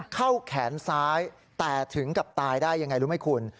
แขนซ้ายแต่ถึงกับตายได้ยังไงรู้ไหมคุณ